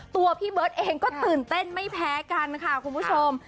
ตัวพี่เบิร์ตเองก็ตื่นเต้นไม่แพ้กันค่ะคุณผู้ชม